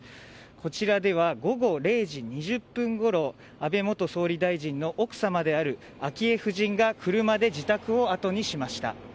こちらでは午後２時２０分ごろ安倍元総理の奥様である昭恵夫人が車で自宅をあとにしました。